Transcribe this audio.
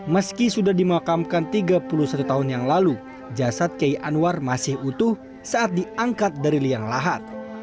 meski sudah dimakamkan tiga puluh satu tahun yang lalu jasad kiai anwar masih utuh saat diangkat dari liang lahat